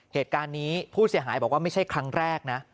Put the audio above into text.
เหตุการณ์นี้ผู้เสียหายบอกว่าไม่ใช่ครั้งแรกนะ